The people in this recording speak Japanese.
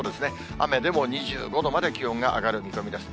雨でも２５度まで気温が上がる見込みです。